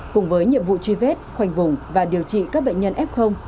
cùng với nhiệm vụ truy vết khoanh vùng và điều trị các bệnh nhân f